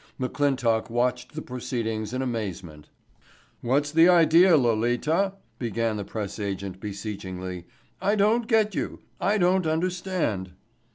McClintock watched the proceedings in amazement. "What's the idea, Lolita?", began the press agent beseechingly. "I don't get you. I don't understand."